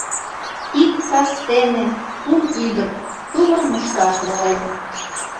...Ик кастене кум ӱдыр тувыр мушкаш волен.